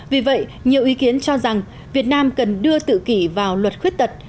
vì vậy nhiều ý kiến cho rằng việt nam cần đưa tự kỷ vào luật khuyết tật